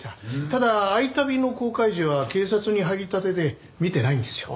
ただ『愛旅』の公開時は警察に入りたてで見てないんですよ。